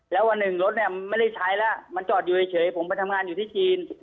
แล้ววันหนึ่งรถเนี่ยไม่ได้ใช้แล้วมันจอดอยู่เฉยผมไปทำงานอยู่ที่จีน